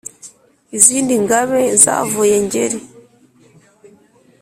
izindi ngabe zavuye ngeri